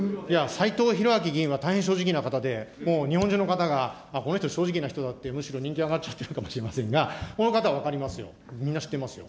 斎藤洋明議員は大変正直な方で、もう日本中の方がこの人、正直な人だってむしろ人気上がっちゃってるかもしれませんが、この方は分かりますよ、みんな知ってますよ。